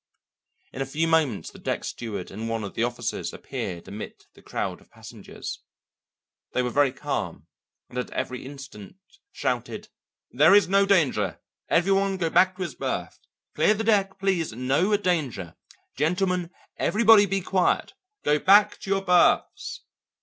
In a few moments the deck steward and one of the officers appeared amid the crowd of passengers. They were very calm, and at every instant shouted, "There is no danger; every one go back to his berth; clear the deck, please; no danger, gentlemen; everybody be quiet; go back to your berths!"